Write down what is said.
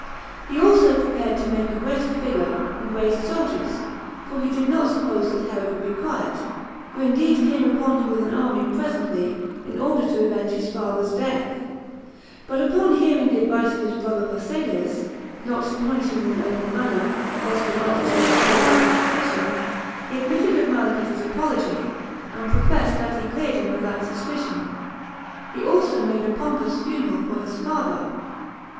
He also prepared to make a greater figure, and raised soldiers; for he did not suppose that Herod would be quiet, who indeed came upon him with an army presently, in order to revenge his father's death; but, upon hearing the advice of his brother Phasaelus, not to punish him in an open manner, lest the multitude should fall into a sedition, he admitted of Malichus's apology, and professed that he cleared him of that suspicion; he also made a pompous funeral for his father.